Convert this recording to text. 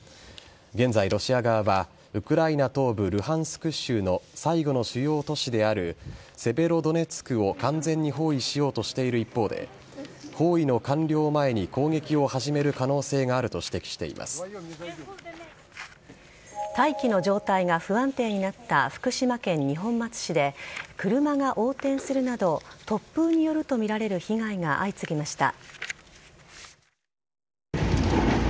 現在、ロシア側はウクライナ東部ルハンスク州の最後の主要都市であるセベロドネツクを完全に包囲しようとしている一方で包囲の完了を前に攻撃を始める可能性があると大気の状態が不安定になった福島県二本松市で車が横転するなど突風によるとみられる被害が相次ぎました。